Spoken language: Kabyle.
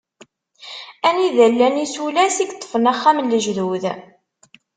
Anida i llan yisulas i yeṭfen axxam n lejdud.